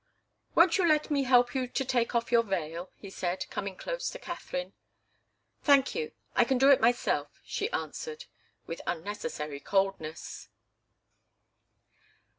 "Won't you let me help you to take off your veil?" he said, coming close to Katharine. "Thank you I can do it myself," she answered, with unnecessary coldness.